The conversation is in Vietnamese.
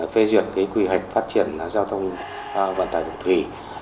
phê duyệt quy hoạch phát triển giao thông vận tải đường thủy